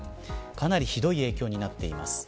かなりひどい影響になっています。